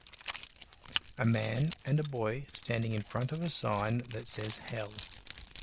A man and a boy standing in front of a sign that says HELL .